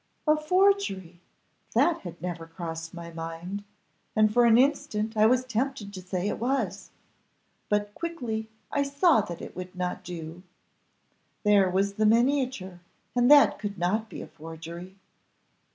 "A forgery! that had never crossed my mind, and for an instant I was tempted to say it was; but quickly I saw that would not do: there was the miniature, and that could not be a forgery.